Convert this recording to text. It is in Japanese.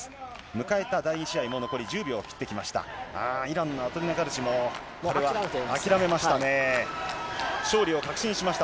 迎えた第２試合も残り１０秒を切ってきました。